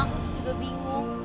aku juga bingung